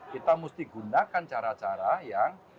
kita mesti gunakan cara cara yang